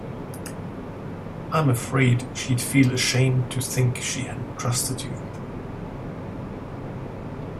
I'm afraid she'd feel ashamed to think she hadn't trusted you.